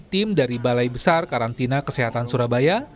tim dari balai besar karantina kesehatan surabaya